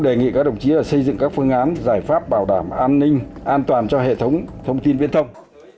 đề nghị các đồng chí xây dựng các phương án giải pháp bảo đảm an ninh an toàn cho hệ thống thông tin viễn thông